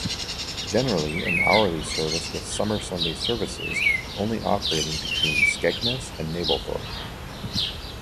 Generally an hourly service with summer Sunday services only operating between Skegness and Mablethorpe.